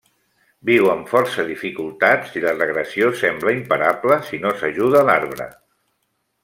Viu amb força dificultats i la regressió sembla imparable si no s'ajuda l'arbre.